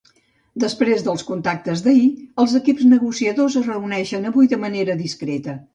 Després dels contactes d’ahir, els equips negociadors es reuneixen avui de manera discreta.